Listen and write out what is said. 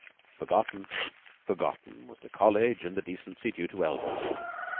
Forgotten forgotten was the College and the decency due to elders!